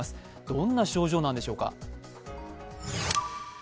どんな症状なんでしょうか。